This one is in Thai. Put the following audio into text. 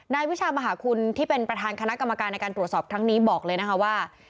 วิชามหาคุณที่เป็นประธานคณะกรรมการในการตรวจสอบครั้งนี้บอกเลยนะคะว่า